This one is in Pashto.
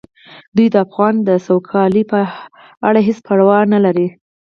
دوی د افغان د سوکالۍ په اړه هیڅ پروا نه لري.